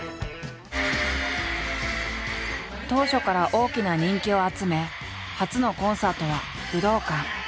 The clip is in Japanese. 当初から大きな人気を集め初のコンサートは武道館。